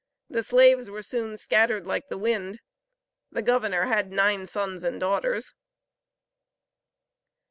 The slaves were soon scattered like the wind. The Governor had nine sons and daughters.